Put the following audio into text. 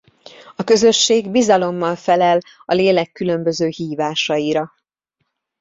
A Közösség bizalommal felel a Lélek különböző hívásaira.